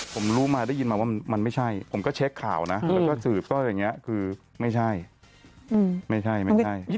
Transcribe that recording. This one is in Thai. ผมรู้มาได้ยินมาว่ามันไม่ใช่ผมก็เช็คข่าวนะคือไม่ใช่